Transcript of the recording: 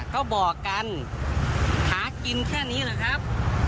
ก็บอกกันหากินแค่นี้เหรอครับ